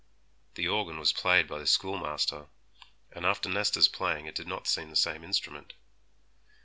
The organ was played by the schoolmaster, and after Nesta's playing it did not seem the same instrument.